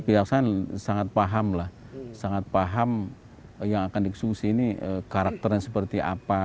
perasaan sangat pahamlah sangat paham yang akan dikesuksi ini karakternya seperti apa